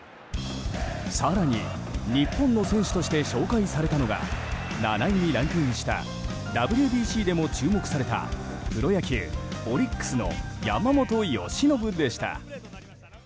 更に、日本の選手として紹介されたのが７位にランクインしたＷＢＣでも注目されたプロ野球、オリックスの山本由伸でした。